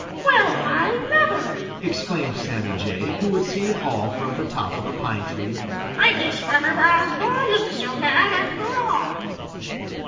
"Well, I never!" exclaimed Sammy Jay, who had seen it all from the top of a pine tree. "Well, I never! I guess Farmer Brown's boy isn't so bad, after all."